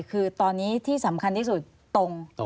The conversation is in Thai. คือตอนนี้ที่สำคัญที่สุดตรง